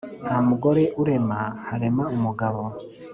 nta mugore urema, harema umugabo.